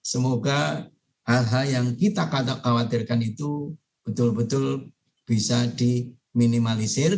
semoga hal hal yang kita khawatirkan itu betul betul bisa diminimalisir